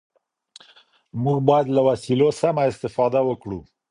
موږ بايد له وسيلو سمه استفاده وکړو.